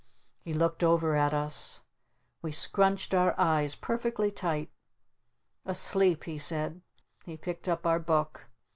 He looked over at us. We scrunched our eyes perfectly tight. "Asleep," he said. He picked up our Book.